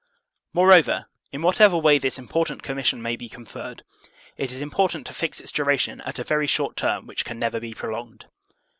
Moreover, in whatever way this important commission may be conferred, it is important to fix its duration at a very short term which can never be prolonged.